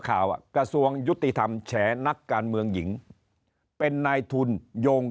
กระทรวงยุติธรรมแฉนักการเมืองหญิงเป็นนายทุนโยง